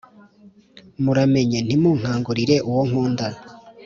muramenye ntimunkangurire uwo nkunda,